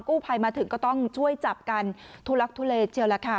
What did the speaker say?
ภัยมาถึงก็ต้องช่วยจับกันทุลักทุเลเจียวล่ะค่ะ